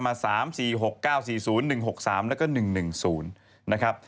มา๓๔๖๙๔๐๑๖๓แล้วก็๑๑๐นะครับ